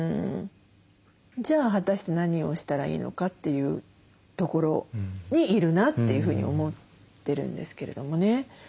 じゃあ果たして何をしたらいいのかというところにいるなというふうに思ってるんですけれどもね。